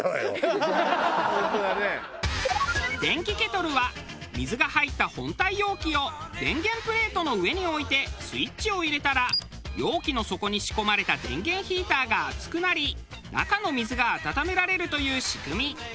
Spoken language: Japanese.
電気ケトルは水が入った本体容器を電源プレートの上に置いてスイッチを入れたら容器の底に仕込まれた電源ヒーターが熱くなり中の水が温められるという仕組み。